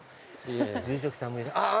住職さんもあっ！